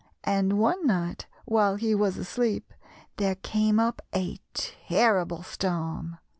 And one night while he was asleep there came up a terrible storm.